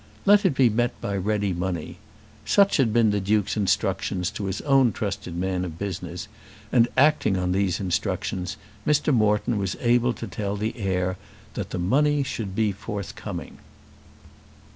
Let it be met by ready money. Such had been the Duke's instructions to his own trusted man of business, and, acting on these instructions, Mr. Moreton was able to tell the heir that the money should be forthcoming.